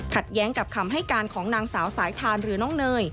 แย้งกับคำให้การของนางสาวสายทานหรือน้องเนย